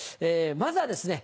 まずはですね